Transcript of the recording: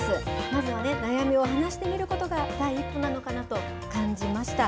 まずはね、悩みを話してみることが第一歩なのかなと感じました。